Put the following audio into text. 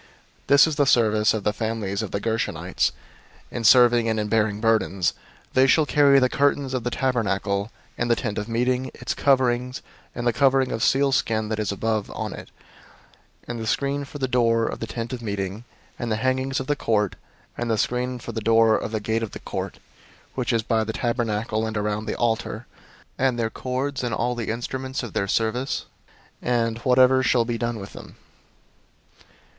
004:024 This is the service of the families of the Gershonites, in serving and in bearing burdens: 004:025 they shall carry the curtains of the tabernacle, and the Tent of Meeting, its covering, and the covering of sealskin that is above on it, and the screen for the door of the Tent of Meeting, 004:026 and the hangings of the court, and the screen for the door of the gate of the court, which is by the tabernacle and around the altar, and their cords, and all the instruments of their service, and whatever shall be done with them.